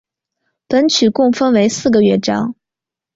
本曲共分为四个乐章。